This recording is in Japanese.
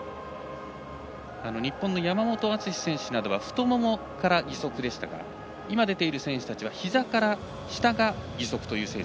日本の山本篤選手は太ももから義足でしたが今出ている選手たちはひざから下が義足という選手。